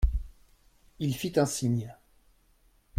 Il fit un signe.